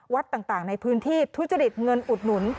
วัดต่างในพื้นที่ทุจริตเงินอุดหนุน